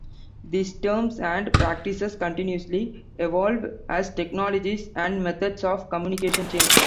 These terms and practices continuously evolve as technologies and methods of communication change.